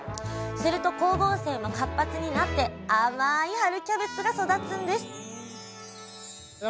すると光合成も活発になって甘い春キャベツが育つんです